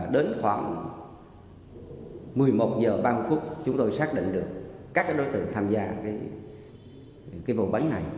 đến khoảng một mươi một h ba mươi phút chúng tôi xác định được các đối tượng tham gia vụ bán này